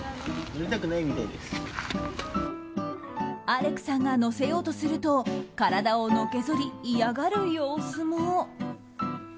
アレクさんが乗せようとすると体をのけ反り、嫌がる様子も。